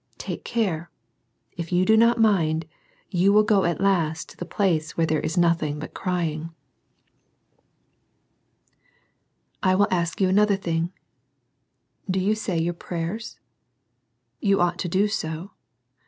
Take care. If you do not mind, you will go at last to the place where there is NOTHING BUT " CRYING." 72 SERMONS FOR CHILDREN. I will ask you another thing, — ^Do you say your prayers. You ought to do so.